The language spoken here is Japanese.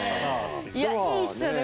いやいいっすよね